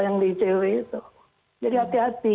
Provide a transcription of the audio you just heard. yang di icw itu jadi hati hati